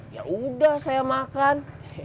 yaudah saya makan